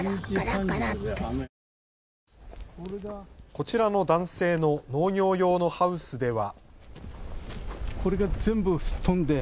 こちらの男性の農業用のハウスでは。